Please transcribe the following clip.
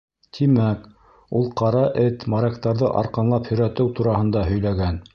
Тимәк, ул Ҡара Эт моряктарҙы арҡанлап һөйрәтеү тураһында һөйләгән.